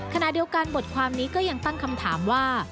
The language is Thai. ขณะเดียวกันบทความนี้ก็ยังตั้งคำถามว่า